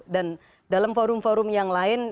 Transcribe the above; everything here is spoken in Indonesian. dan dalam forum forum yang lain